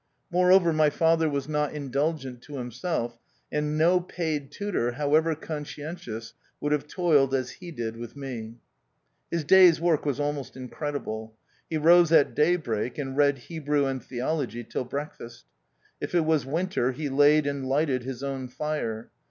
Moreover, my father was not indulgent to himself, and no paid tutor, however conscientious, would have toiled as he did with me. His day's work was almost incredible. He rose at daybreak, and read Hebrew and theology till breakfast : if it was winter, he laid and lighted his own fire.